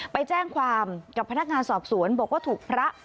ไปแจ้งความกับพนักงานสอบสวนบอกว่าถูกพระ